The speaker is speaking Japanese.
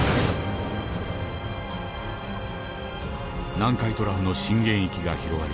南海トラフの震源域が広がり